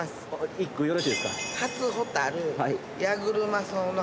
一句よろしいですか。